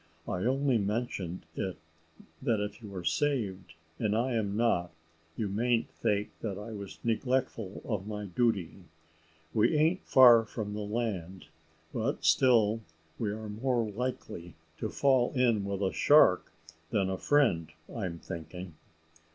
I only mention it, that if you are saved, and I am not, you mayn't think I was neglectful of my duty. We ain't far from the land, but still we are more likely to fall in with a shark than a friend, I'm thinking."